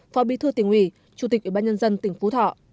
phó bí thư tỉnh ủy chủ tịch ủy ban nhân dân tỉnh phú thọ